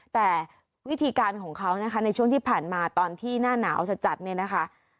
แต่วิธีการของเขานะคะในช่วงที่ผ่านมาตอนที่หน้าหนาวจัดเนี่ยนะคะ